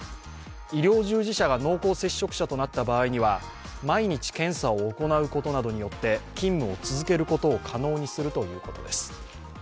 医療従事者が濃厚接触者となった場合には毎日検査を行うことなどによって勤務を続けることを可能にするということです。